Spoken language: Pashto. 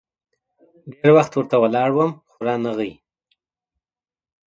ډېر وخت ورته ولاړ وم ، خو رانه غی.